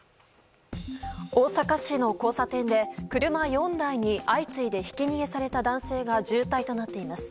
大阪市の交差点で、車４台に相次いでひき逃げされた男性が重体となっています。